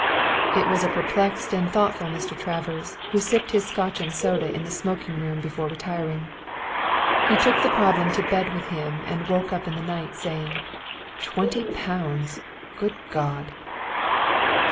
It was a perplexed and thoughtful Mr. Travers who sipped his Scotch and soda in the smoking room before retiring, he took the problem to bed with him and woke up in the night saying: "Twenty pounds! Good God!"